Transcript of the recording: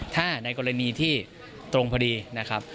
ถ้าในกรณีที่ตรงพอดีนะครับ